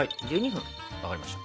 分かりました。